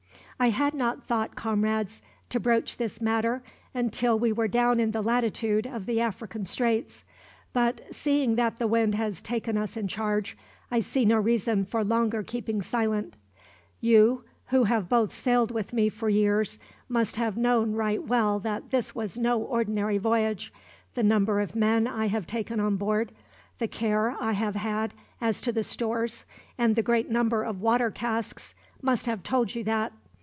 "I had not thought, comrades, to broach this matter until we were down in the latitude of the African Straits; but seeing that the wind has taken us in charge, I see no reason for longer keeping silent. You, who have both sailed with me for years, must have known right well that this was no ordinary voyage the number of men I have taken on board, the care I have had as to the stores, and the great number of water casks, must have told you that.